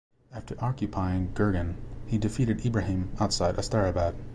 After occupying Gurgan, he defeated Ibrahim outside Astarabad.